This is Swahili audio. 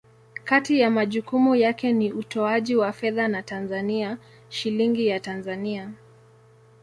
Kati ya majukumu yake ni utoaji wa fedha za Tanzania, Shilingi ya Tanzania.